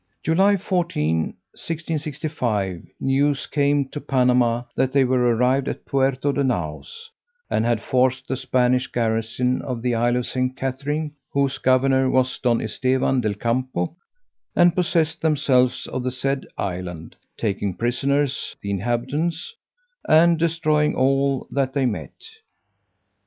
July 14, 1665, news came to Panama, that they were arrived at Puerto de Naos, and had forced the Spanish garrison of the isle of St. Catherine, whose governor was Don Estevan del Campo, and possessed themselves of the said island, taking prisoners the inhabitants, and destroying all that they met.